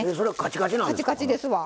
カチカチですわ。